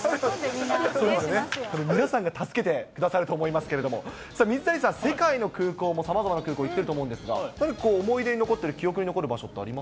これ、皆さんが助けてくださると思いますけど、水谷さん、世界の空港もさまざまな空港行ってると思うんですが、何か思い出に残ってる、記憶に残ってる場所